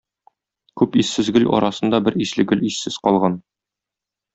Күп иссез гөл арасында бер исле гөл иссез калган.